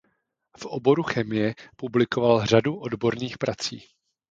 V oboru chemie publikoval řadu odborných prací.